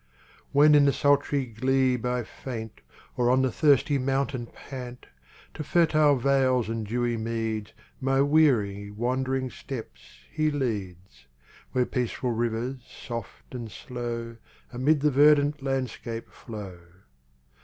When in the sultry glebe I faint Or on the thirsty mountain pant, To fertile vales and dewy meads My weary, wandering steps He leads, Where peaceful rivers, soft and slow, Amid the verdant landscape flow.